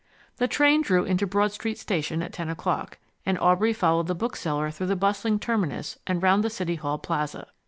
The train drew into Broad Street station at ten o'clock, and Aubrey followed the bookseller through the bustling terminus and round the City Hall plaza.